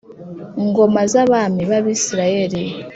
ngoma z abami b Abisirayeli